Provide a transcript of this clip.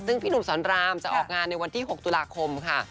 ซึ่งพี่หนุ่มสอนรามจะออกงานในวันที่๖ตุลาคมค่ะ